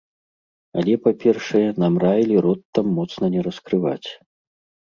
Але, па-першае, нам раілі рот там моцна не раскрываць.